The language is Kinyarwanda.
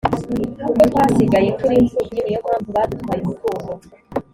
kuko twasigaye turi imfubyi niyo mpanvu badutwaye umutungo